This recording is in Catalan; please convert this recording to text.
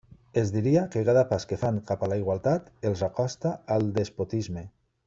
Es diria que cada pas que fan cap a la igualtat els acosta al despotisme.